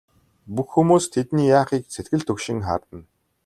Бүх хүмүүс тэдний яахыг сэтгэл түгшин харна.